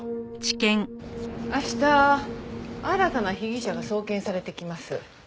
明日新たな被疑者が送検されてきます。